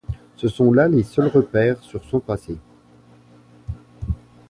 Ce sont là les seuls repères sur son passé.